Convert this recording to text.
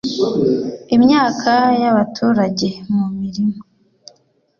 imyaka y’abaturage mu mirimo